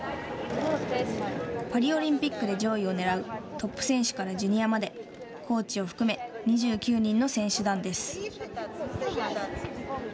パリオリンピックで上位をねらうトップ選手からジュニアまでコーチを含め２９人の選手団です。